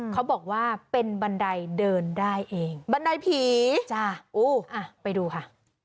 เขาบอกว่าเป็นบันไดเดินได้เองบันไดผีจ้ะอู้อ่ะไปดูค่ะ